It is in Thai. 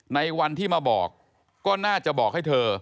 ในวันที่มาบอกก็น่าจะบอกให้เธอ